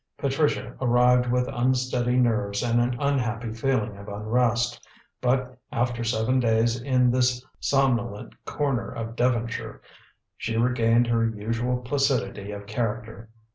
Patricia arrived with unsteady nerves and an unhappy feeling of unrest, but after seven days in this somnolent corner of Devonshire, she regained her usual placidity of character.